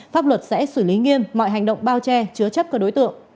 pháp luật sẽ xử lý nghiêm mọi hành động bao che chứa chấp các đối tượng